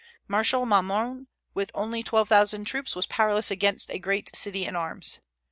Marshal Marmont, with only twelve thousand troops, was powerless against a great city in arms.